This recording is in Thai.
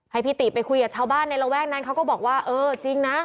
ให้พี่ติไปคุยกับชาวบ้านในระแวกนั้นเขาก็บอกว่าเออจริงนะ